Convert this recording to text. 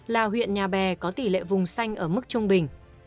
là huyện nhà bè có tỷ lệ vùng xanh ở mức trung bình